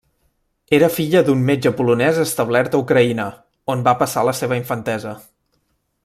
Era filla d'un metge polonès establert a Ucraïna, on va passar la seva infantesa.